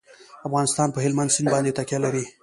افغانستان په هلمند سیند باندې تکیه لري.